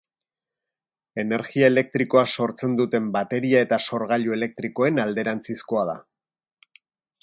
Energia elektrikoa sortzen duten bateria eta sorgailu elektrikoen alderantzizkoa da.